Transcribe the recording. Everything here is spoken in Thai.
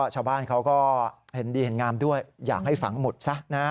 ชาวบ้านเขาก็เห็นดีเห็นงามด้วยอยากให้ฝังหมุดซะนะ